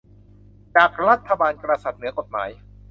จากรัฐบาลกษัตริย์เหนือกฎหมาย